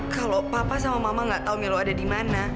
kalau papa sama mama gak tahu melo ada di mana